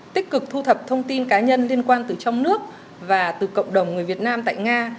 tích cực thu thập thông tin cá nhân liên quan từ trong nước và từ cộng đồng người việt nam tại nga